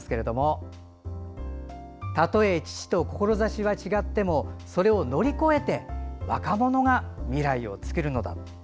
「たとえ父と志は違ってもそれを乗り越えて若者が未来をつくるのだ」。